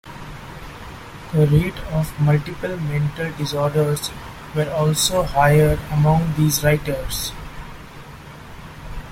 The rates of multiple mental disorders were also higher among these writers.